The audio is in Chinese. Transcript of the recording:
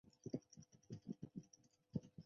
邦比阿仙奴丹麦国家队个人邦比个人